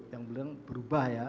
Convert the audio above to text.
yang belakang berubah ya